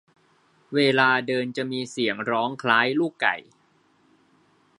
เวลาเดินจะมีเสียงร้องคล้ายลูกไก่